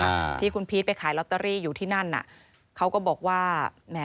อ่าที่คุณพีชไปขายลอตเตอรี่อยู่ที่นั่นอ่ะเขาก็บอกว่าแหม